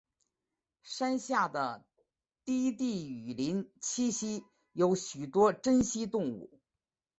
山下的低地雨林栖息有许多珍稀动物。